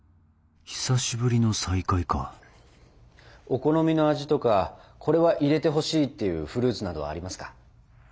久しぶりの再会かお好みの味とかこれは入れてほしいっていうフルーツなどはありますか？